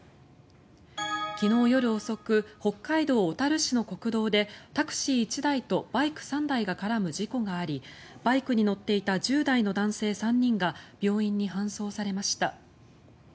昨日夜遅く北海道小樽市の国道でタクシー１台とバイク３台が絡む事故がありバイクに乗っていた１０代の男性３人が病院に搬送されました。